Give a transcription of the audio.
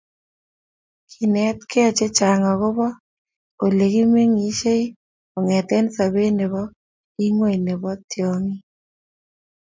Kigenetkei chechang agoba olekimengishei kongete sobet nebo ingweny nebo tyongik